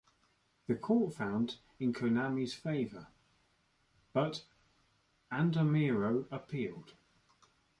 The court found in Konami's favor, but Andamiro appealed.